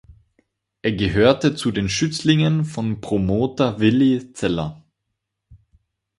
Er gehörte zu den Schützlingen von Promoter Willy Zeller.